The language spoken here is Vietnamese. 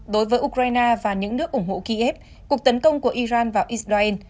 đối với ukraine và những nước ủng hộ kiev cuộc tấn công của iran vào israel